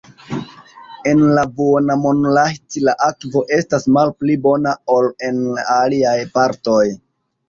En la Vuonamonlahti la akvo estas malpli bona ol en aliaj partoj.